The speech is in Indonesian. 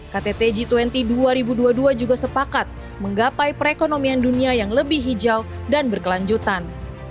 ktt g dua puluh dua ribu dua puluh dua juga sepakat menggapai perekonomian dunia yang lebih hijau dan berkelanjutan